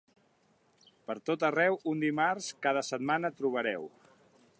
Pertot arreu un dimarts cada setmana trobareu.